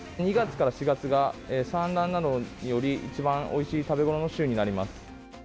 ２月から４月が産卵などにより一番おいしい食べごろの旬になります。